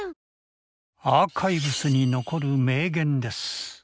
アーカイブスに残る名言です。